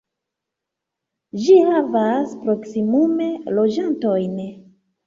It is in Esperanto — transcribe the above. Ĝi havas proksimume loĝantojn.